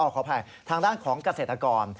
ขออภัยทางด้านของเกษตรกร